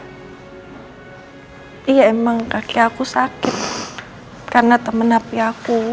iya emang kaki aku sakit karena teman api aku